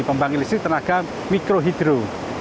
pembangkit listrik tenaga mikrohidro